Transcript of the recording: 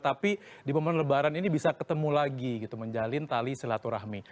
tapi di momen lebaran ini bisa ketemu lagi gitu menjalin tali silaturahmi